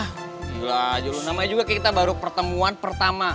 gila jho namanya juga kayak kita baru pertemuan pertama